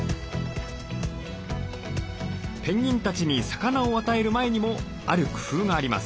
ペンギンたちに魚を与える前にもある工夫があります。